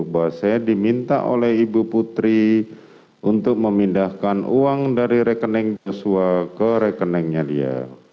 bahwa saya diminta oleh ibu putri untuk memindahkan uang dari rekening joshua ke rekeningnya dia